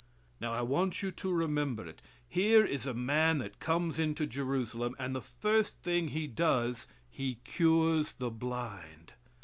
Now, I want you to remember it. Here is a man that comes into Jerusalem, and the first thing he does he cures the blind.